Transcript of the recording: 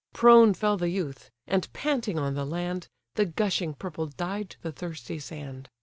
Prone fell the youth; and panting on the land, The gushing purple dyed the thirsty sand.